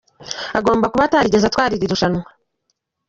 Agomba kuba atarigeze atwara iri rushanwa.